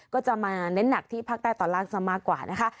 ก็จะมาเน้นหนักที่ภาคใต้ตอนล่างซะมากกว่านะคะ